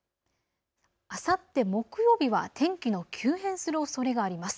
あさって木曜日は天気の急変するおそれがあります。